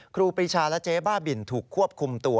ครูปีชาและเจ๊บ้าบินถูกควบคุมตัว